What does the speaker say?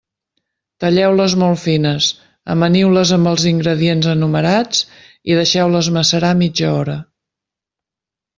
Talleu-les molt fines, amaniu-les amb els ingredients enumerats i deixeu-les macerar mitja hora.